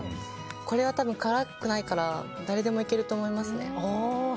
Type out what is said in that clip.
これは多分辛くないから誰でもいけると思いますね。